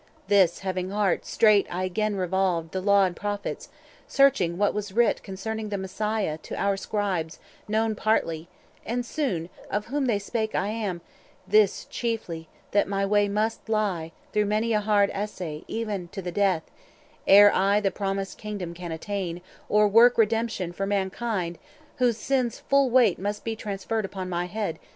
This having heart, straight I again revolved The Law and Prophets, searching what was writ 260 Concerning the Messiah, to our scribes Known partly, and soon found of whom they spake I am—this chiefly, that my way must lie Through many a hard assay, even to the death, Ere I the promised kingdom can attain, Or work redemption for mankind, whose sins' Full weight must be transferred upon my head.